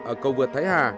ở cầu vượt thái hà